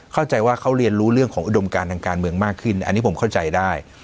เข้าใจว่าเขาเรียนรู้เรื่องของอุดมการทางการเมืองมากขึ้นอันนี้ผมเข้าใจได้